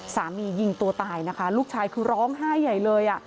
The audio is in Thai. ยิงตัวตายนะคะลูกชายคือร้องไห้ใหญ่เลย